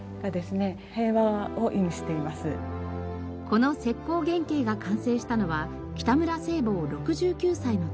この石こう原型が完成したのは北村西望６９歳の時。